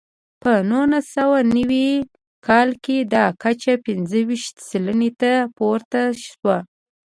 په نولس سوه نوي کال کې دا کچه پنځه ویشت سلنې ته پورته شوه.